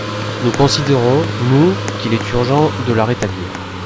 Nous considérons, nous, qu’il est urgent de la rétablir.